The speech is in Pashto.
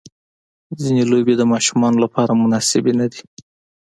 ځینې لوبې د ماشومانو لپاره مناسبې نه دي.